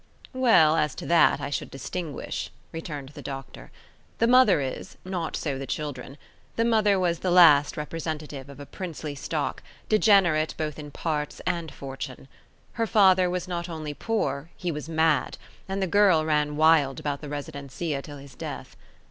"Well, as to that, I should distinguish," returned the doctor. "The mother is; not so the children. The mother was the last representative of a princely stock, degenerate both in parts and fortune. Her father was not only poor, he was mad: and the girl ran wild about the residencia till his death.